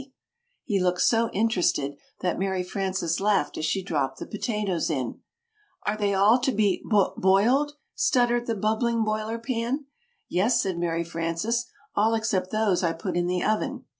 [Illustration: "I just hurry them along"] He looked so interested that Mary Frances laughed as she dropped the potatoes in. "Are they all to be boi boiled?" stuttered the bubbling Boiler Pan. "Yes," said Mary Frances, "all except those I put in the oven.